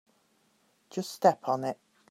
Just step on it.